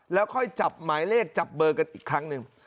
แล้วค่อยจับหมายเลขจับเบอร์กันอีกครั้งหนึ่ง